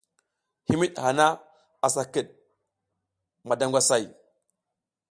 Himid hana asa kid mada ngwasay.